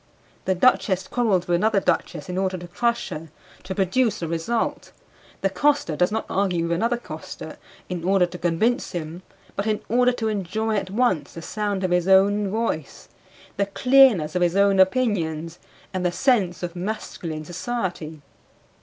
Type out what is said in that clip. The duchess quarrels with another duchess in order to crush her, to produce a result; the coster does not argue with another coster in order to convince him, but in order to enjoy at once the sound of his own voice, the clearness of his own opinions and the sense of masculine society.